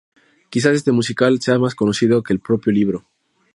Quizás este musical sea más conocido que el propio libro.